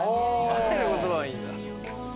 愛の言葉はいいんだ。